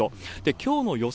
きょうの予想